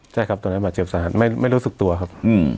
ใช่ครับตอนนั้นบาดเจ็บสาหัสไม่รู้สึกตัวครับ